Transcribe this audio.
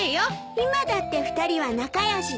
今だって２人は仲良しでしょ？